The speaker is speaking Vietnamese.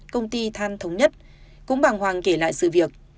công ty than thống nhất cũng bàng hoàng kể lại sự việc